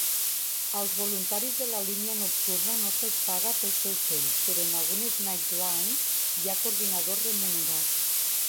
Als voluntaris de la línia nocturna no se'ls paga pel seu temps, però en algunes "Nightline" hi ha coordinadors remunerats.